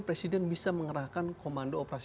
presiden bisa mengerahkan komando operasi